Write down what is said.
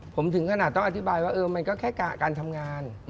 ผมถึงขนาดต้องอธิบายว่ามันก็แค่การทำงาน